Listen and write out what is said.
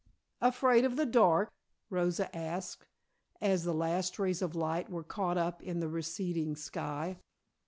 "Afraid of the dark?" Rosa asked, as the last rays of light were caught up in the receding sky.